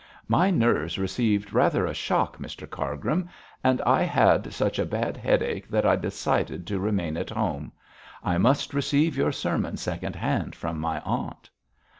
'My nerves received rather a shock, Mr Cargrim, and I had such a bad headache that I decided to remain at home. I must receive your sermon second hand from my aunt.'